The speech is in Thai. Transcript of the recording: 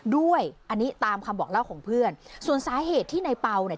ด้วยอันนี้ตามคำบอกเล่าของเพื่อนส่วนสาเหตุที่ในเปล่าเนี่ย